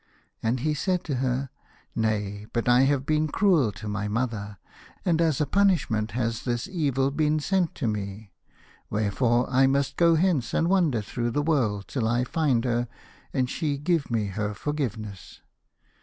And he said to her, " Nay, but I have been cruel to my mother, and as a punishment has this evil been sent to me. Wherefore I must go hence, and wander through the world till I find her, and she give me her forgiveness."